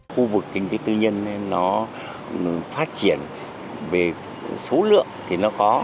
khu vực kinh tế tư nhân nó phát triển về số lượng thì nó có